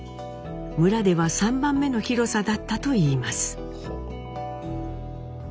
村では３番目の広さだったといいます。